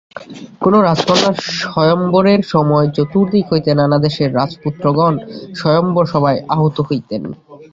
কোন রাজকন্যার স্বয়ম্বরের সময় চতুর্দিক হইতে নানা দেশের রাজপুত্রগণ স্বয়ম্বর-সভায় আহূত হইতেন।